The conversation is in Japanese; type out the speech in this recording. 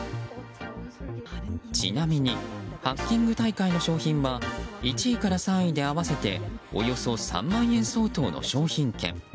ちなみにハッキング大会の商品は１位から３位で合わせておよそ３万円相当の商品券。